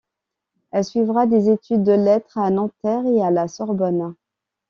Elle suivra des études de Lettres à Nanterre et à la Sorbonne.